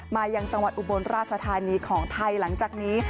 มายังจังหวัดอุบลราชธานีของไทยหลังจากนี้